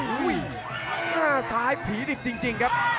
หน้าซ้ายผีดิบจริงครับ